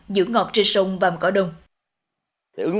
giữ ngọt trên sông vàng cỏ đông